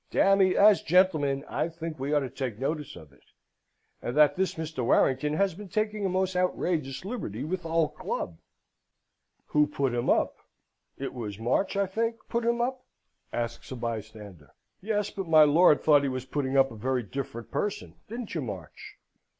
Dammy, as gentlemen, I think we ought to take notice of it: and that this Mr. Warrington has been taking a most outrageous liberty with the whole club." "Who put him up? It was March, I think, put him up?" asks a bystander. "Yes. But my lord thought he was putting up a very different person. Didn't you, March?"